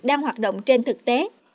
đang hoạt động trên thực tế